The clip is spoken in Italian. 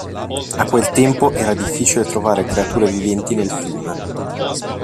A quel tempo era difficile trovare creature viventi nel fiume.